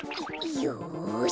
よし！